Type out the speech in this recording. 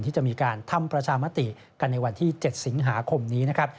ที่จะมีการทำประชามติกันในวันที่๗สิงหาคมนี้นะครับ